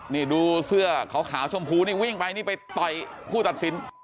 นี่ดูเสื้อขาวชมพูนี่วิ่งไปนี่ไปต่อยผู้ตัดสิน